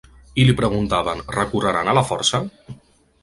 I li preguntaven: ‘Recorreran a la força?’